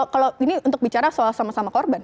kalau ini untuk bicara soal sama sama korban